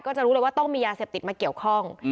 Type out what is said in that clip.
จะรู้เลยว่าต้องมียาเสพติดมาเกี่ยวข้อง